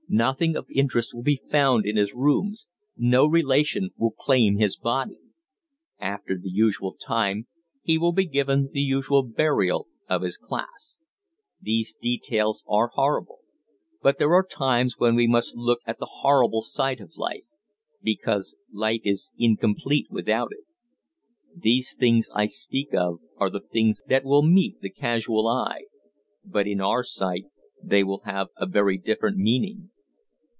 Nothing of interest will be found in his rooms; no relation will claim his body; after the usual time he will be given the usual burial of his class. These details are horrible; but there are times when we must look at the horrible side of life because life is incomplete without it. "These things I speak of are the things that will meet the casual eye; but in our sight they will have a very different meaning.